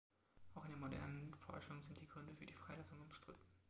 Auch in der modernen Forschung sind die Gründe für die Freilassung umstritten.